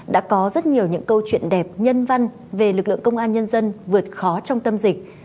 đã có rất nhiều những câu chuyện đẹp nhân văn về lực lượng công an nhân dân vượt khó trong tâm dịch